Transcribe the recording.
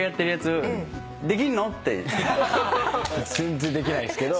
全然できないっすけど。